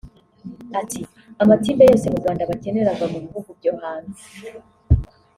Ati“ Amatibe yose mu Rwanda bakenera ava mu bihugu byo hanze